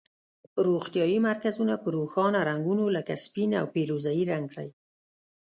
روغتیایي مرکزونه په روښانه رنګونو لکه سپین او پیروزه یي رنګ کړئ.